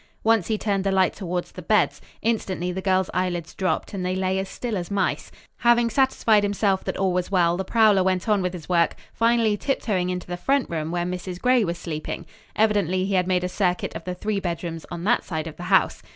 Once he turned the light toward the beds. Instantly the girls' eyelids dropped and they lay as still as mice. Having satisfied himself that all was well, the prowler went on with his work, finally tiptoeing into the front room where Mrs. Gray was sleeping. Evidently he had made a circuit of the three bedrooms on that side of the house.